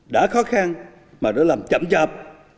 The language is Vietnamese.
đã khó khăn mà đã làm chậm chạp